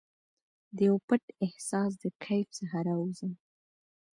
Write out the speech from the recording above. دیو پټ احساس د کیف څخه راوزم